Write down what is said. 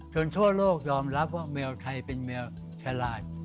ทั่วโลกยอมรับว่าแมวไทยเป็นแมวฉลาด